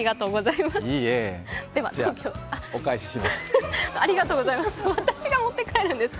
いいえ、ではお返しします。